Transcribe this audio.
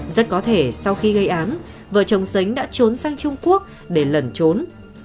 rất có thể sau khi gây án vợ chồng sánh đã trốn sang trung quốc để lẩn trốn